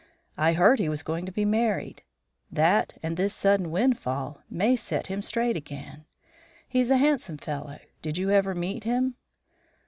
I heard he was going to be married. That and this sudden windfall may set him straight again. He's a handsome fellow; did you ever meet him?"